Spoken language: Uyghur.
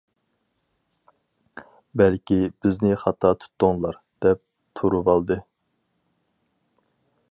بەلكى‹‹ بىزنى خاتا تۇتتۇڭلار›› دەپ تۇرۇۋالدى.